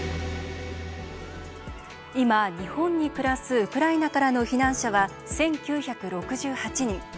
今、日本に暮らすウクライナからの避難者は１９６８人。